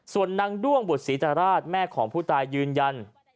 ส่วนนางด้วงบุตรศรีตราชแม่ของผู้ตายยืนยัน